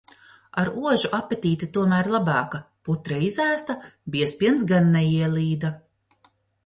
Ar ožu apetīte tomēr labāka, putra izēsta, biezpiens gan neielīda.